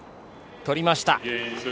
とりました。